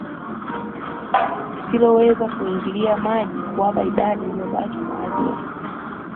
lisiloweza kuingilia maji huwapa idadi iliyobaki baadhi ya